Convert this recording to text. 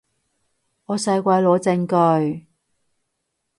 我使鬼攞證據